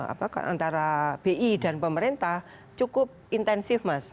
apa kan antara bi dan pemerintah cukup intensif mas